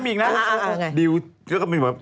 มีคุกเข่าใส่ไง